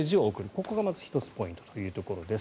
ここがまず１つポイントというところです。